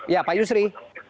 ya pak yusri